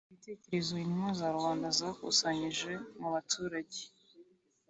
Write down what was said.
Ibitekerezo intumwa za rubanda zakusanyije mu baturage